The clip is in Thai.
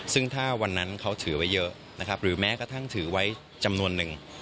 ซึ่งถ้าวันนั้นเขาถือไว้เยอะนะครับหรือแม้กระทั่งถือไว้จำนวนหนึ่ง